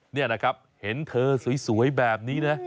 นี่นะครับเห็นเธอสวยแบบนี้นะ